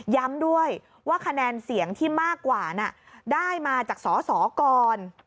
ย้ำด้วยว่าคะแนนเสียงที่มากกว่าได้มาจากสอสอก่อน